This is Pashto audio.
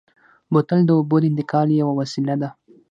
بوتل د اوبو د انتقال یوه وسیله ده.